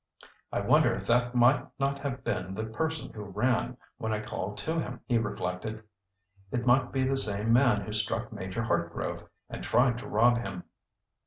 "I wonder if that might not have been the person who ran when I called to him!" he reflected. "It might be the same man who struck Major Hartgrove and tried to rob him."